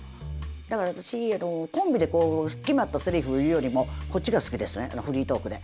だから私コンビで決まったセリフ言うよりもこっちが好きですねフリートークで。